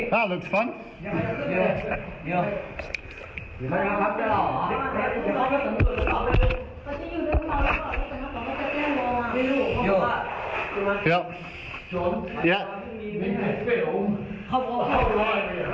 คุณค่ะคุณค่ะ